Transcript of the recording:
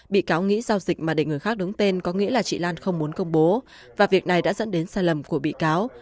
bị cáo nghĩ giao dịch mà để người khác đứng tên có nghĩa là chị lan không muốn công bố và việc này đã dẫn đến sai lầm của bị cáo